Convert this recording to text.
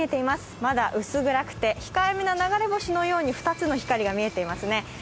まだ薄暗くて控えめな流れ星のように２つの光が見えていますね。